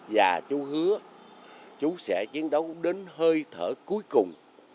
và chú hứa chú sẽ chiến đấu đến hơi thở cuối cùng